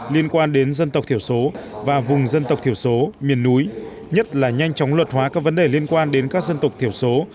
liên quan đến dân tộc thiểu số và vùng dân tộc thiểu số miền núi nhất là nhanh chóng luật hóa các vấn đề liên quan đến các dân tộc thiểu số